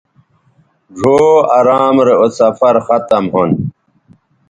ڙھؤ ارام رے اوسفرختم ھون